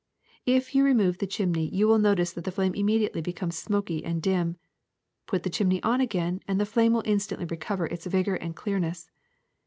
If you remove the chimney you will notice that the flame immediately becomes smoky and dim; put the chimney on again, and the flame will instantly recover its vigor and clearness.